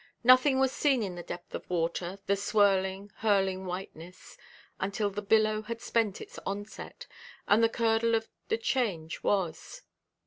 Nothing was seen in the depth of water, the swirling, hurling whiteness, until the billow had spent its onset, and the curdle of the change was.